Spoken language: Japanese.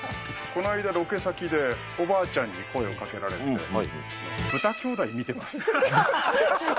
この間、ロケ先でおばあちゃんに声をかけられて、ブタ兄弟見てますと。